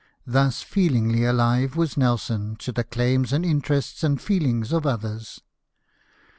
Thus feelingly alive was Nelson to the claims and interests and feelings of others.